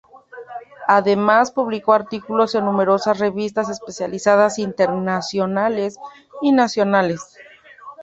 Además publicó artículos en numerosas revistas especializadas internacionales y nacionales.